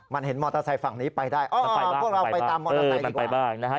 มันเห็นมอเตอร์ไซค์ฝั่งนี้ไปได้พวกเราไปตามมอเตอร์ไซค์ดีกว่า